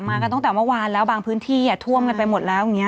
กันตั้งแต่เมื่อวานแล้วบางพื้นที่ท่วมกันไปหมดแล้วอย่างนี้